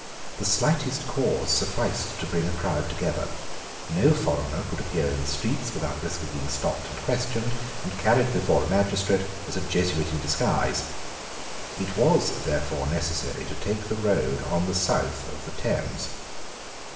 The slightest cause sufficed to bring a crowd together. No foreigner could appear in the streets without risk of being stopped, questioned, and carried before a magistrate as a Jesuit in disguise. It was, therefore, necessary to take the road on the south of the Thames.